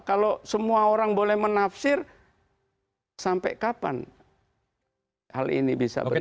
kalau semua orang boleh menafsir sampai kapan hal ini bisa berjalan